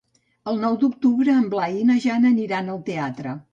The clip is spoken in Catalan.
El nou d'octubre en Blai i na Jana aniran al teatre.